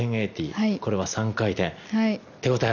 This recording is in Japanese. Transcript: これは３回転。